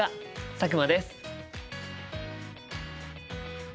佐久間です。